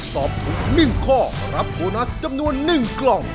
ตอบถูก๑ข้อรับโบนัสจำนวน๑กล่อง